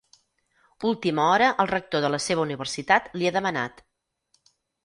Última hora el rector de la seva universitat li ha demanat.